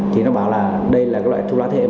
thì nó bảo là đây là cái loại thuốc lá thị hệ mới